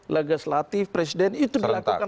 legislatif presiden itu dilakukan